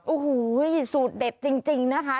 โอ้โหสูตรเด็ดจริงนะคะ